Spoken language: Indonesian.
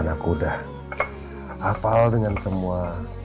karena aku udah hafal dengan semua